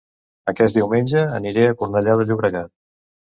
Aquest diumenge aniré a Cornellà de Llobregat